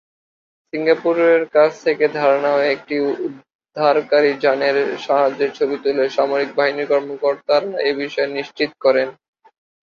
সিঙ্গাপুরের কাছ থেকে ধার নেওয়া একটি উদ্ধারকারী যানের সাহায্যে ছবি তুলে সামরিক বাহিনীর কর্মকর্তারা এবিষয়ে নিশ্চিত করেন।